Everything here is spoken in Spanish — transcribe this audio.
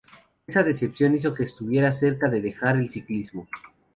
Esa decepción hizo que estuviera cerca de dejar el ciclismo.